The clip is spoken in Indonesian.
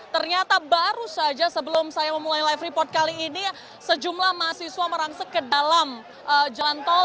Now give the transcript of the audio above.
ternyata baru saja sebelum saya memulai live report kali ini sejumlah mahasiswa merangsek ke dalam jalan tol